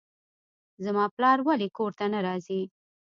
زما پلار ولې کور ته نه راځي.